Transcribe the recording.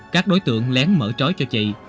các đối tượng lén mở trói cho chị